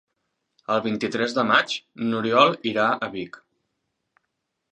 El vint-i-tres de maig n'Oriol irà a Vic.